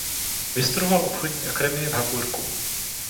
Vystudoval obchodní akademii v Hamburku.